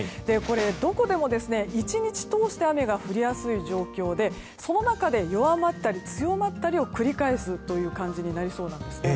どこでも１日通して雨が降りやすい状況でその中で弱まったり強まったりを繰り返す感じになりそうです。